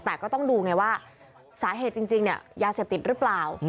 แต่ก็ต้องดูไงว่าสาเหตุจริงเนี่ยยาเสพติดหรือเปล่า